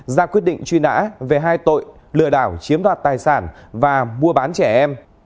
ra quyết định truy nã về hai tội lừa đảo chiếm đoạt tài sản và mua bán trẻ em